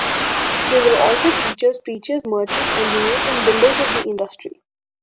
They also were teachers, preachers, merchants, engineers, and builders of industry.